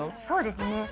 そうですね。